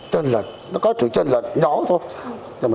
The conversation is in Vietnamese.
tranh lệch nó có sự tranh lệch nhỏ thôi